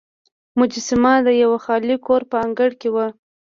مجسمه د یوه خالي کور په انګړ کې وه.